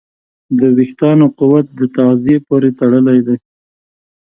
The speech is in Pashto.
د وېښتیانو قوت د تغذیې پورې تړلی دی.